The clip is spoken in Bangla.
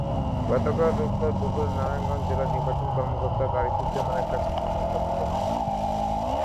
গতকাল রোববার দুপুরে নারায়ণগঞ্জ জেলা নির্বাচন কর্মকর্তা তারিফুজ্জামানের কাছে মনোনয়নপত্র জমা দেন।